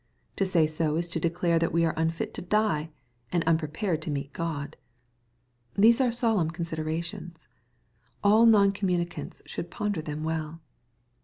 To say so is to declare that we are unfit to die, and unprepared to meet God. These are solemn considerations. All non communicants should ponder them well.